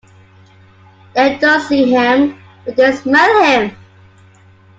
They don't see him, but they smell him.